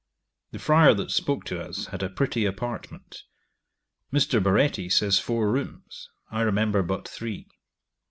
The friar that spoke to us had a pretty apartment. Mr. Baretti says four rooms; I remember but three.